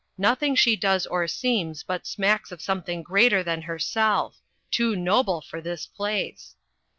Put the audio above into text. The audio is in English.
Nothing she does or seems but smacks of something greater than herself — ^too noble for this place."